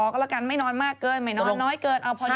ก็แล้วกันไม่นอนมากเกินไม่นอนน้อยเกินเอาพอดี